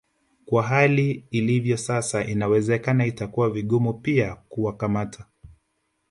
Kwa hali ilivyo sasa inawezekana itakuwa vigumu pia kuwakamata